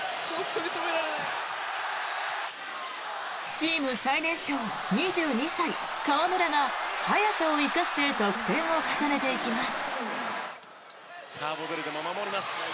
チーム最年少、２２歳河村が速さを生かして得点を重ねていきます。